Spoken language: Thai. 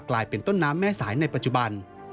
กลายเป็นต้นน้ำแม่สายในปัจจุบัน